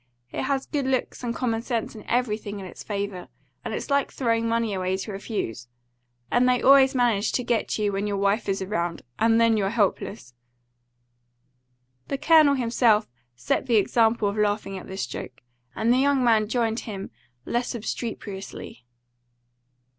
It has good looks and common sense and everything in its favour, and it's like throwing money away to refuse. And they always manage to get you when your wife is around, and then you're helpless." The Colonel himself set the example of laughing at this joke, and the young man joined him less obstreperously.